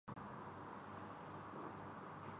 اچھے لیڈران ہوں۔